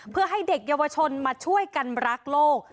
เพื่อให้เด็กเยาวชนมาช่วยกันรักโลก